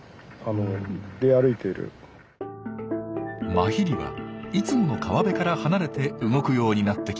マヒリはいつもの川辺から離れて動くようになってきました。